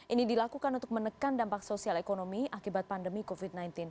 ini dilakukan untuk menekan dampak sosial ekonomi akibat pandemi covid sembilan belas